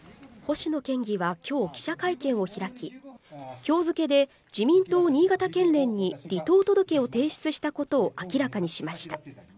星野県議は今日記者会見を開き、今日づけで自民党新潟県連に離党届を提出したことを明らかにしました。